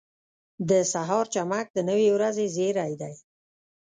• د سهار چمک د نوې ورځې زېری دی.